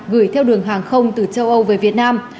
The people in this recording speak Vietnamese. gửi theo đường hàng không từ châu âu về việt nam